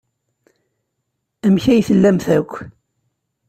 Amek ay tellamt akk?